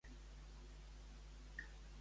Rajoy i Albiol apel·len a l'abstenció.